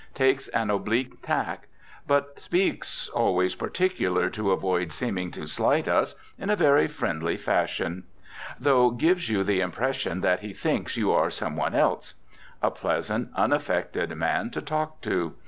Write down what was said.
Takes an oblique tack. But speaks (always particular to avoid seeming to slight us) in a very friendly fashion. Though gives you the impression that he thinks you are some one else. A pleasant, unaffected man to talk to.